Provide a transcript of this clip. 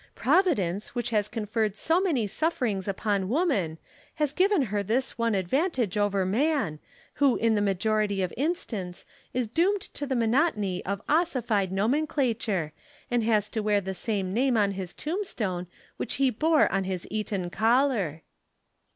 Providence, which has conferred so many sufferings upon woman, has given her this one advantage over man, who in the majority of instance is doomed to the monotony of ossified nomenclature, and has to wear the same name on his tombstone which he wore on his Eton collar."